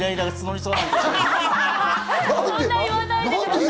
そんなこと言わないでください。